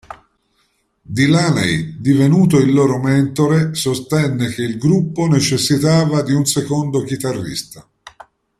Delaney, divenuto il loro mentore, sostenne che il gruppo necessitava di un secondo chitarrista.